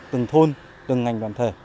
từng thôn từng ngành đoàn thể